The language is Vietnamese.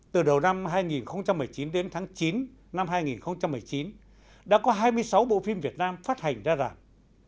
từ đầu năm hai nghìn một mươi chín đến tháng chín năm hai nghìn một mươi chín đã có hai mươi sáu bộ phim việt nam phát hành ra rạp